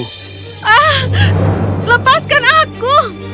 ah lepaskan aku